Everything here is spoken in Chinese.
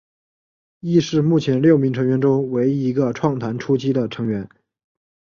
亦是目前六名成员中唯一一个创团初期的成员。